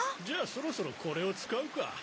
じゃあそろそろこれを使うか。